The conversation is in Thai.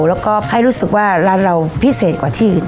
แล้วก็ให้รู้สึกว่าร้านเราพิเศษกว่าที่อื่น